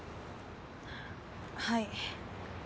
はい。